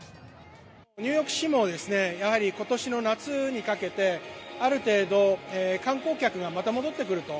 ニューヨーク市も、やはりことしの夏にかけてある程度、観光客がまた戻ってくると。